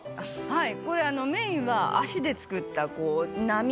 はい。